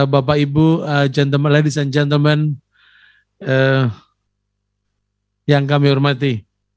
bapak ibu ladies and gentlemen yang kami hormati